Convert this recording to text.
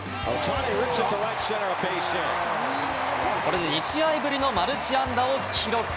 これで２試合ぶりのマルチ安打を記録。